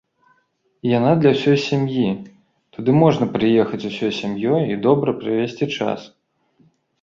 І яна для ўсёй сям'і, туды можна прыехаць ўсёй сям'ёй і добра правесці час.